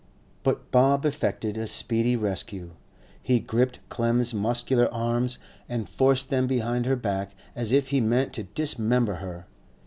But Bob effected a speedy rescue. He gripped Clem's muscular arms, and forced them behind her back as if he meant to dismember her.